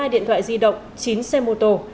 một mươi hai điện thoại di động chín xe mô tô